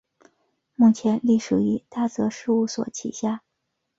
目前隶属于大泽事务所旗下。